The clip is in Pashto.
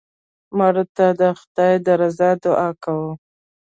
مړه ته د خدای د رضا دعا کوو